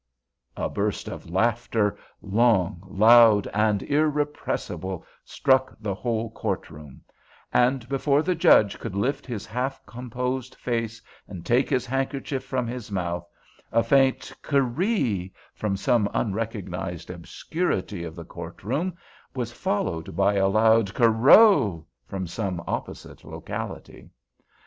'" A burst of laughter, long, loud, and irrepressible, struck the whole courtroom, and before the Judge could lift his half composed face and take his handkerchief from his mouth, a faint "Kerree" from some unrecognized obscurity of the courtroom was followed by a loud "Kerrow" from some opposite locality.